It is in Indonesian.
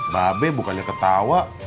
babe bukannya ketawa